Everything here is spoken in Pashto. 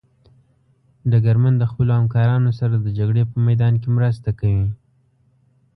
ډګرمن د خپلو همکارانو سره د جګړې په میدان کې مرسته کوي.